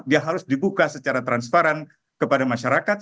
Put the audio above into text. dia harus dibuka secara transparan kepada masyarakat